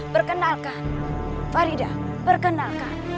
perkenalkan farida perkenalkan